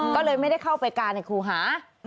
ก็เลยไม่ได้เข้าไปการในครูหา